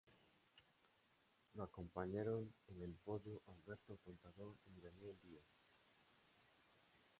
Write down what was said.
Lo acompañaron en el podio Alberto Contador y Daniel Díaz.